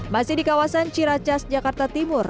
masih di kawasan ciracas jakarta timur